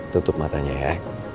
tutup matanya ya